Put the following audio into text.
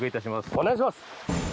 お願いします。